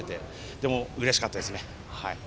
でも、うれしかったですね。